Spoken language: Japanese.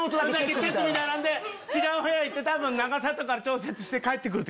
チェックみたいなんで違う部屋行って多分長さとか調節して帰って来る時